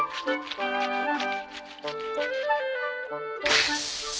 うん？